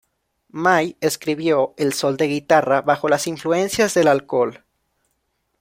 May escribió el solo de guitarra bajo las influencias del alcohol.